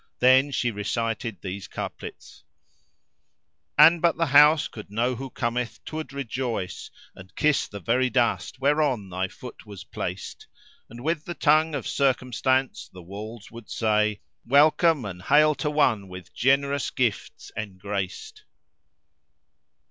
Then she recited these couplets:— "An but the house could know who cometh 'twould rejoice, * And kiss the very dust whereon thy foot was placed And with the tongue of circumstance the walls would say, * "Welcome and hail to one with generous gifts engraced!"